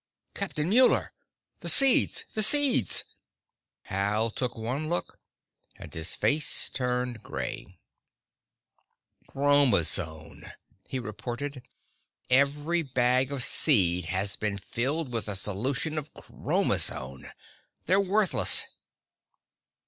"Captain Muller! The seeds! The seeds!" Hal took one look, and his face turned gray. "Chromazone," he reported. "Every bag of seed has been filled with a solution of chromazone! They're worthless!"